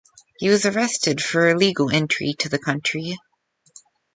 He was arrested for illegal entry to the country.